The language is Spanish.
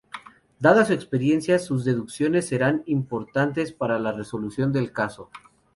Dada su experiencia, sus deducciones serán importantes para la resolución del caso.